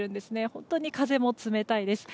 本当に風も冷たいです。